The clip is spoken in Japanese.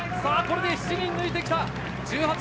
これで７人抜いてきた。